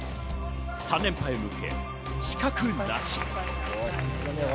３連覇へ向け死角なし。